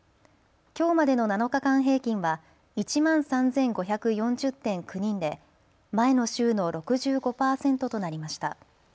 きょうまでの７日間平均は１万３５４０．９人で前の週の６５％となりました。